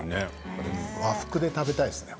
和服で食べたいですね。